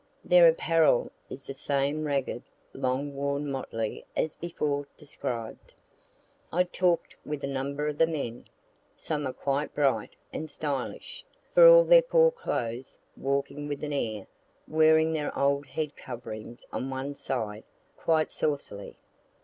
Their apparel is the same ragged, long worn motley as before described. I talk'd with a number of the men. Some are quite bright and stylish, for all their poor clothes walking with an air, wearing their old head coverings on one side, quite saucily.